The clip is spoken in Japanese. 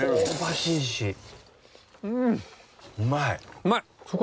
うまい！